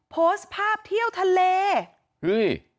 โพสต์ภาพเที่ยวทะเล